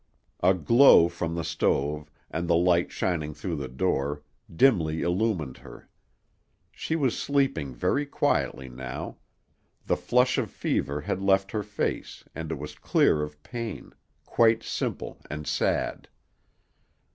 A glow from the stove, and the light shining through the door, dimly illumined her. She was sleeping very quietly now; the flush of fever had left her face and it was clear of pain, quite simple and sad.